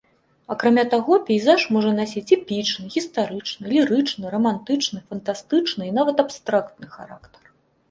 Акрамя таго, пейзаж можа насіць эпічны, гістарычны, лірычны, рамантычны, фантастычны і нават абстрактны характар.